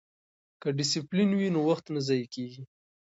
که ډسپلین وي نو وخت نه ضایع کیږي.